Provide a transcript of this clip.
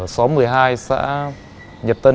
xóm một mươi hai xã nhật tân